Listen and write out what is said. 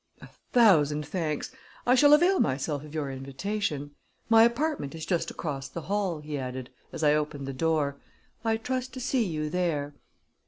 "A thousand thanks! I shall avail myself of your invitation. My apartment is just across the hall," he added, as I opened the door. "I trust to see you there."